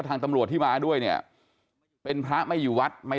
ใช่บอกมาอยู่ที่บ้านก็ไม่เห็นผิดอะไร